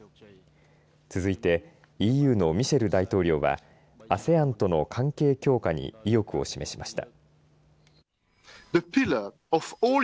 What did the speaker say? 続いてＥＵのミシェル大統領はＡＳＥＡＮとの関係強化に意欲を示しました。